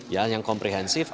ya yang komprehensif